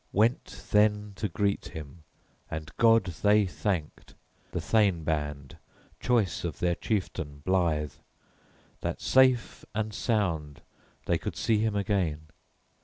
Went then to greet him, and God they thanked, the thane band choice of their chieftain blithe, that safe and sound they could see him again.